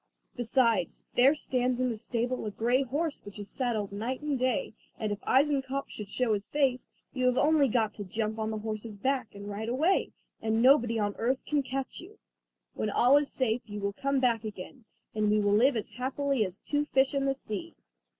Besides, there stands in the stable a grey horse which is saddled night and day; and if Eisenkopf should show his face, you have only got to jump on the horse's back and ride away, and nobody on earth can catch you. When all is safe you will come back again, and we shall live as happily as two fish in the sea."